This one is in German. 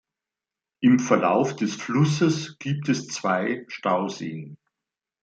Im Verlauf des Flusses gibt es zwei Stauseen.